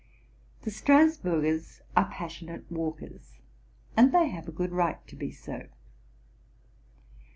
The Strasburgers are passionate walkers, and they have a good right to be so.